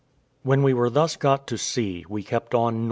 When we were thus got to sea, we kept on NE.